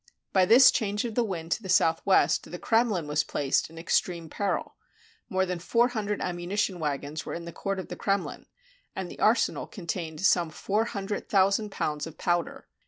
By this change of the wind to the southwest the Kremlin was placed in extreme peril. More than four hundred ammunition wagons were in the court of the Kremlin, and the arsenal contained some four hundred thousand pounds of powder.